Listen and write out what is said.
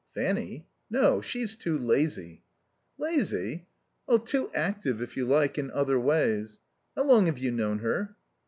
"Fanny? No. She's too lazy." "Lazy?" "Too active, if you like, in other ways.... How long have you known her?"